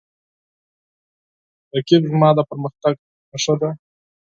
رقیب زما د پرمختګ نښه ده